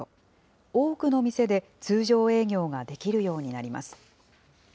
多くの店で通常営業ができるようになります。